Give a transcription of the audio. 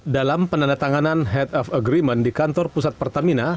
dalam penandatanganan head of agreement di kantor pusat pertamina